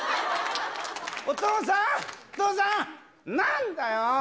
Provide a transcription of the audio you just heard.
お父さん、お父さん、なんだよ。